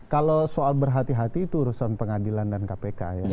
kalau soal berhati hati itu urusan pengadilan dan kpk ya